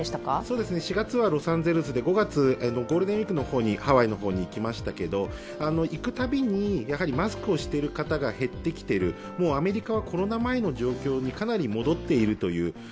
４月はロサンゼルスで５月、ゴールデンウイークにハワイに行きましたけど行くたびに、マスクをしている方が減ってきている、もうアメリカはコロナ前の状況にかなり戻っていると。